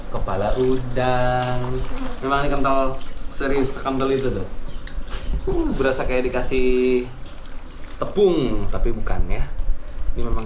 kepala udang memang kental serius kental itu berasa kayak dikasih tepung tapi bukannya memang